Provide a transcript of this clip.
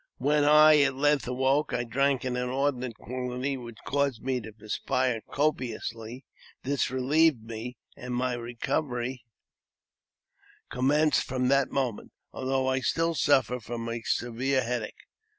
When I at length awoke, I drank an inordinate quantity, which caused me to perspire copiously ; this relieved me, and my recovery commenced from that moment, although I still suffered from a severe headache.